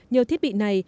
nhờ thiết bị này